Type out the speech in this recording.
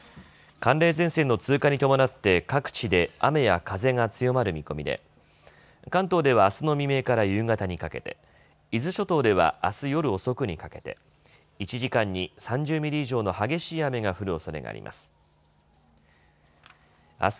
寒冷前線の通過に伴って各地で雨や風が強まる見込みで関東ではあすの未明から夕方にかけて、伊豆諸島ではあす夜遅くにかけて１時間に３０ミリ以上の激しい雨が降るおそれがあります。